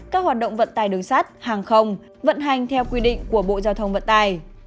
các hoạt động vận tải đường sát hàng không vận hành theo quy định của bộ giao thông vận tải